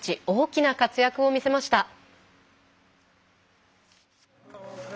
大きな活躍を見せました。